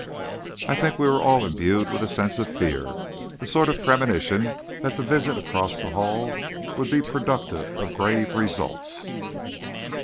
I think we were all imbued with a sense of fear, a sort of premonition that the visit across the hall would be productive of grave results.